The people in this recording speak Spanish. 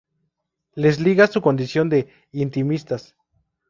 Les liga su condición de "intimistas".